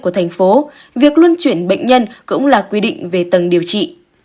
của thành phố việc luân chuyển bệnh nhân cũng là quy định về tầng điều trị